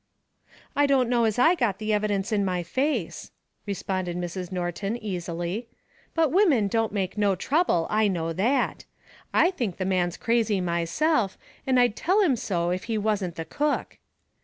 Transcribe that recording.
"I don't know as I got the evidence in my face," responded Mrs. Norton easily, "but women don't make no trouble, I know that. I think the man's crazy, myself, and I'd tell him so if he wasn't the cook."